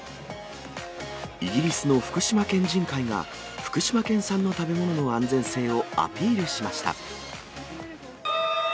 イギリスの福島県人会が、福島県産の食べ物の安全性をアピールしました。